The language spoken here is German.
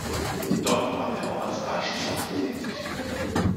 Dort war er auch als Beichtvater tätig.